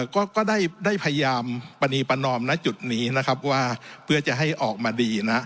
ก็ได้พยายามประนีประนอมณจุดนี้เพื่อจะให้ออกมาดี